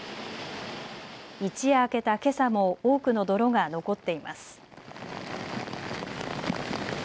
一夜明けたけさも多くの泥が残っています。